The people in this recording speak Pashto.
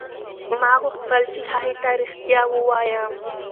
ما غوښتل چې هغې ته رښتیا ووایم.